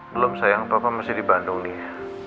belum sayang papa masih di bandung nih